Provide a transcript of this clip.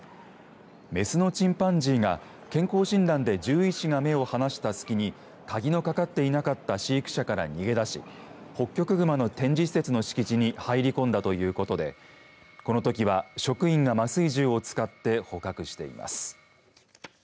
雌のチンパンジーが健康診断で獣医師が目を離した隙に鍵のかかっていなかった飼育舎から逃げ出しホッキョクグマの展示施設の敷地に入り込んだということでこのときは職員が麻酔銃を使って捕獲しています。